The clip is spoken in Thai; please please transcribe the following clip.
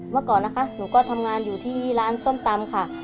เมื่อก่อนนะคะหนูก็ทำงานอยู่ที่ร้านส้มตำค่ะ